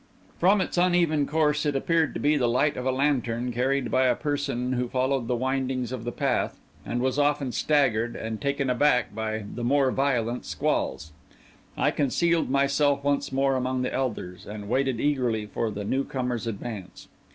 From its uneven course it appeared to be the light of a lantern carried by a person who followed the windings of the path, and was often staggered and taken aback by the more violent squalls. I concealed myself once more among the elders, and waited eagerly for the new comer's advance.